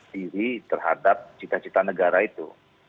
diri terhadap cita cita negara itu